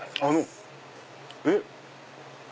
えっ